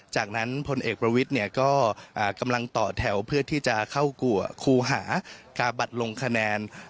จากนั้นพลเอกประวิทย์เนี่ยก็กำลังต่อแถวเพื่อที่จะเข้ากัวครูหากาบัตรลงคะแนน